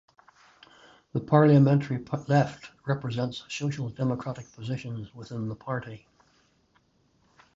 The Parliamentary Left represents social democratic positions within the party.